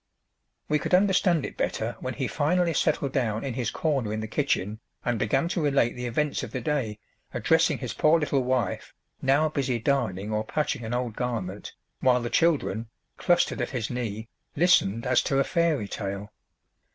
We could understand it better when he finally settled down in his corner in the kitchen and began to relate the events of the day, addressing his poor little wife, now busy darning or patching an old garment, while the children, clustered at his knee, listened as to a fairy tale.